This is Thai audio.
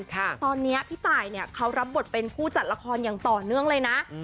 ตอนนี้พี่ตายเนี่ยเขารับบทเป็นผู้จัดละครอย่างต่อเนื่องเลยนะ